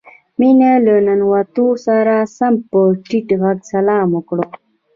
مينې له ننوتو سره سم په ټيټ غږ سلام وکړ.